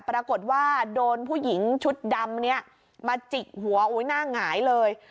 ปรากฏว่าโดนผู้หญิงชุดดำเนี่ยมาจิกหัวหน้าหงายเลย